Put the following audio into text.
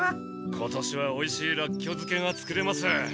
今年はおいしいラッキョ漬けが作れます。